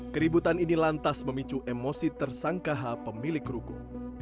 keributan ini lantas memicu emosi tersangkaha pemilik ruko